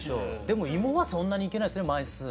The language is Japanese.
でも芋はそんなにいけないですね枚数。